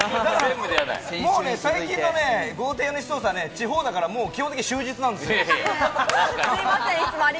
もう最近の豪邸家主捜査ね、地方だから基本的終日なんですよ。